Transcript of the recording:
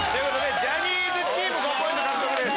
ジャニーズチーム５ポイント獲得です。